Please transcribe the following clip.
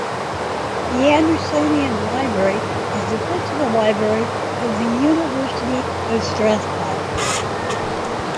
The Andersonian Library is the principal library of the University of Strathclyde.